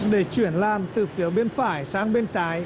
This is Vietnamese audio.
để chuyển lan từ phía bên phải sang bên trái